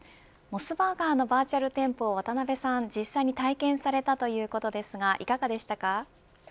モスバーガーのバーチャル店舗を渡辺さん、実際に体験されたということですがいかがでしたか。